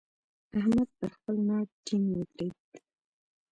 احمد پر خپل ناړ ټينګ ودرېد.